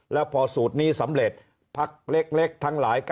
แล้วพอสูตรนี้สำเร็จพักเล็กทั้งหลายก็